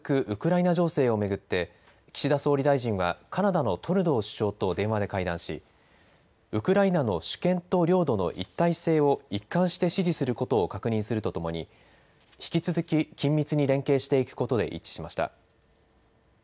ウクライナ情勢を巡って、岸田総理大臣は、カナダのトルドー首相と電話で会談し、ウクライナの主権と領土の一体性を一貫して支持することを確認するとともに、引き続き緊密に連携していくことで一致しました。